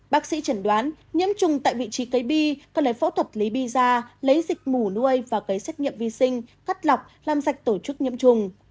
bác sĩ chẳng đoán nhiễm trùng tại vị trí cấy bi cần lấy phẫu thuật lấy bi ra lấy dịch mù nuôi và cấy xét nghiệm vi sinh cắt lọc làm sạch tổ chức nhiễm trùng